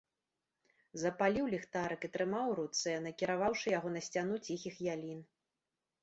Запаліў ліхтарык і трымаў у руцэ, накіраваўшы яго на сцяну ціхіх ялін.